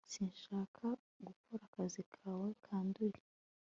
sinshaka gukora akazi kawe kanduye